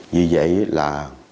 vì vậy là